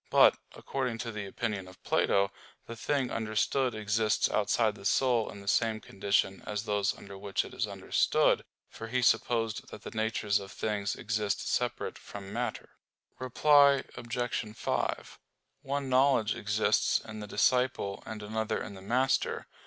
But, according to the opinion of Plato, the thing understood exists outside the soul in the same condition as those under which it is understood; for he supposed that the natures of things exist separate from matter. Reply Obj. 5: One knowledge exists in the disciple and another in the master.